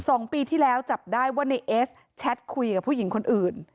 สองปีที่แล้วจับได้ว่าในเอสแชทคุยกับผู้หญิงคนอื่น